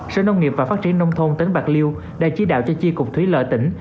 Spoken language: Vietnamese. sở nông nghiệp và phát triển nông thôn tỉnh bạc liêu đã chí đạo cho chi cục thủy lợi tỉnh